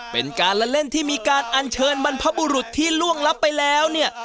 เป็นการละเล่นที่มีการอัญเชิญบรรพบุรุษที่ล่วงลับไปแล้วเนี่ย